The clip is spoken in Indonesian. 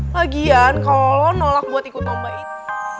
lagian kalau lo nolak buat ikut mba itu